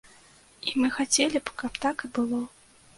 І мы хацелі б, каб так і было.